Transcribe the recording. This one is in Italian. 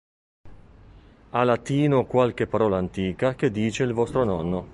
A latino qualche parola antica che dice il vostro nonno.